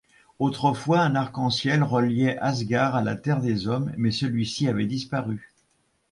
Autrefois, un arc-en-ciel reliait Ásgard à la terre des hommes, mais celui-ci avait disparu.